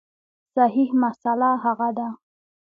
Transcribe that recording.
صحیح مسأله هغه ده